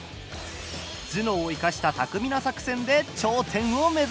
頭脳を生かした巧みな作戦で頂点を目指す。